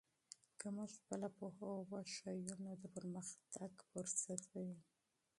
که موږ خپله پوهه وښیو، نو د پرمختګ چانس به وي.